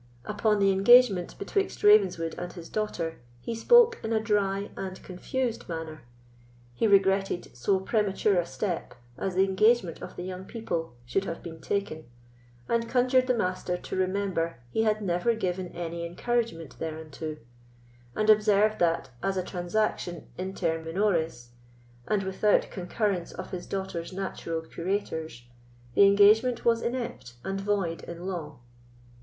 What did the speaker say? Upon the engagement betwixt Ravenswood and his daughter, he spoke in a dry and confused manner. He regretted so premature a step as the engagement of the young people should have been taken, and conjured the Master to remember he had never given any encouragement thereunto; and observed that, as a transaction inter minores, and without concurrence of his daughter's natural curators, the engagement was inept, and void in law.